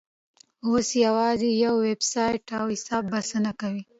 اوس یوازې یو ویبسایټ او حساب بسنه کوي.